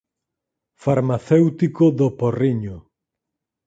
Farmacéutico do Porriño.